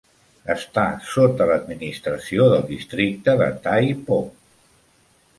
Està sota l'administració del districte de Tai Po.